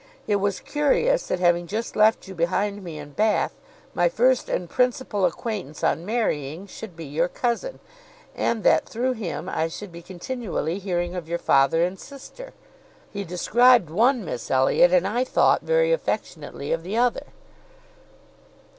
It was curious, that having just left you behind me in Bath, my first and principal acquaintance on marrying should be your cousin; and that, through him, I should be continually hearing of your father and sister. He described one Miss Elliot, and I thought very affectionately of the other."